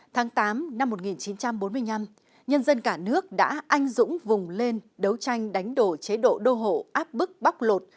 tháng tám năm một nghìn chín trăm bốn mươi năm nhân dân cả nước đã anh dũng vùng lên đấu tranh đánh đổ chế độ đô hộ áp bức bóc lột